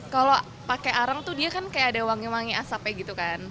kalau pakai arang tuh dia kan kayak ada wangi wangi asapnya gitu kan